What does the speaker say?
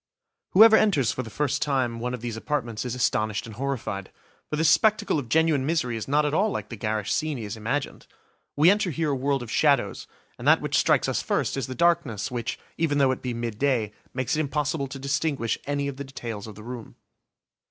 Whoever enters, for the first time, one of these apartments is astonished and horrified. For this spectacle of genuine misery is not at all like the garish scene he has imagined. We enter here a world of shadows, and that which strikes us first is the darkness which, even though it be midday, makes it impossible to distinguish any of the details of the room.